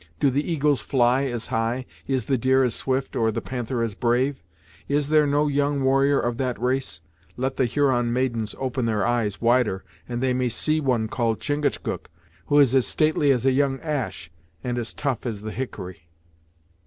Do the eagles fly as high, is the deer as swift or the panther as brave? Is there no young warrior of that race? Let the Huron maidens open their eyes wider, and they may see one called Chingachgook, who is as stately as a young ash, and as tough as the hickory."